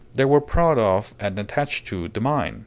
They were proud of, and attached to, the mine.